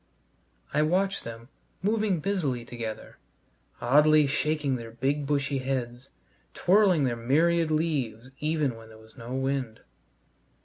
I watched them moving busily together, oddly shaking their big bushy heads, twirling their myriad leaves even when there was no wind.